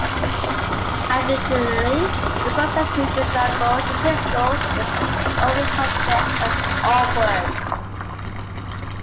Additionally, the process to disassemble the pistol is overly complex and awkward.